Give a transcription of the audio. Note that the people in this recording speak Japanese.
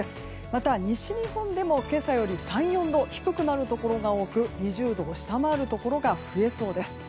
また、西日本でも今朝より３４度低くなるところが多く２０度を下回るところが増えそうです。